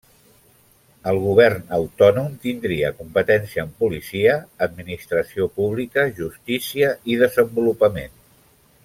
El govern autònom tindria competència en policia, administració pública, justícia, i desenvolupament.